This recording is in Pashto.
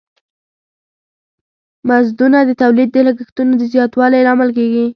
مزدونه د تولید د لګښتونو د زیاتوالی لامل کیږی.